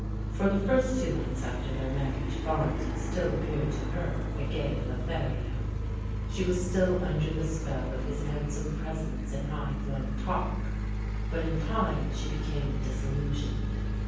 For the first two months after their marriage Bames still appeared to her a gay Lothario. She was still under the spell of his handsome presence and high flown talk ; but in time she became disillusioned.